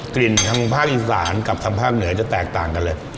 ทางภาคอีสานกับทางภาคเหนือจะแตกต่างกันเลย